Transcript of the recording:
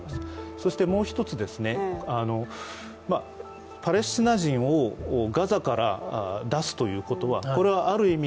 そしてもう一つ、パレスチナ人をガザから出すということはある意味